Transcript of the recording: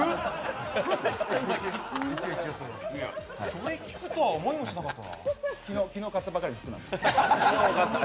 それ聞くとは思いもしなかった。